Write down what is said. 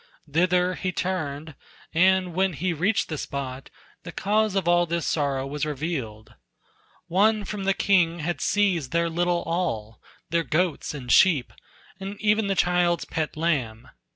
Thither he turned, and when he reached the spot, The cause of all this sorrow was revealed: One from the king had seized their little all, Their goats and sheep, and e'en the child's pet lamb.